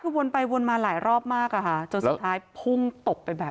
คือวนไปวนมาหลายรอบมากอะค่ะจนสุดท้ายพุ่งตกไปแบบ